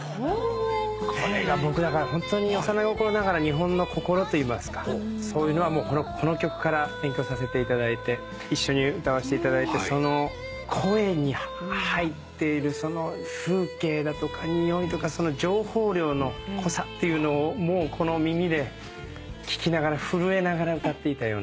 これが僕ホントに幼心ながら日本の心といいますかそういうのはもうこの曲から勉強させていただいて一緒に歌わせていただいてその声に入っているその風景だとかにおいとかその情報量の濃さっていうのをもうこの耳で聴きながら震えながら歌っていたような。